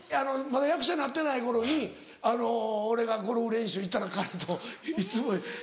まだ役者なってない頃に俺がゴルフ練習行ったら彼といつも。